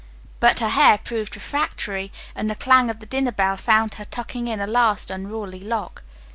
But her hair proved refractory and the clang of the dinner bell found her tucking in a last unruly lock.